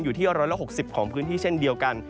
อยู่ที่๑๖๐ของพื้นที่เช่นเดียวกัน